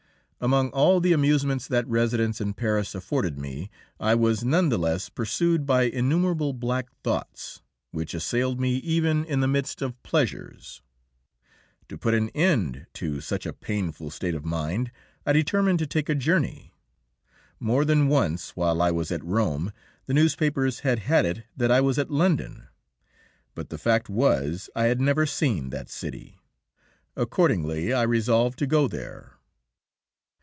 Among all the amusements that residence in Paris afforded me, I was none the less pursued by innumerable black thoughts, which assailed me even in the midst of pleasures. To put an end to such a painful state of mind, I determined to take a journey. More than once, while I was at Rome, the newspapers had had it that I was at London, but the fact was I had never seen that city. Accordingly, I resolved to go there.